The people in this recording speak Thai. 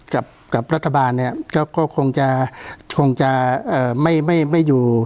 กับกับรัฐบาลเนี่ยก็ก็คงจะคงจะเอ่อไม่ไม่ไม่อยู่